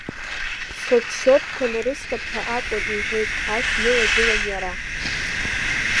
Сотчиотқәа нарысҭап ҳәа акәын, — иҳәеит ашә днылагылан иара.